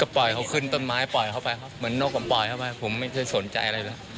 ปล่อยเขาขึ้นต้นไม้ปล่อยเข้าไปครับเหมือนนกผมปล่อยเข้าไปผมไม่ได้สนใจอะไรเลย